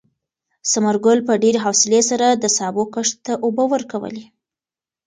ثمر ګل په ډېرې حوصلې سره د سابو کښت ته اوبه ورکولې.